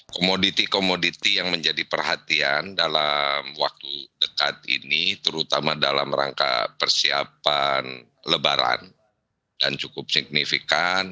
komoditi komoditi yang menjadi perhatian dalam waktu dekat ini terutama dalam rangka persiapan lebaran dan cukup signifikan